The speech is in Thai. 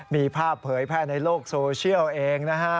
มีภาพเผยแพร่ในโลกโซเชียลเองนะฮะ